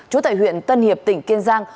chú tại huyện tân hiệp tỉnh kiên giang